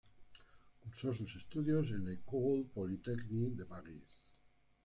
Cursó sus estudios en la École polytechnique de París.